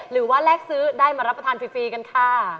แลกซื้อได้มารับประทานฟรีกันค่ะ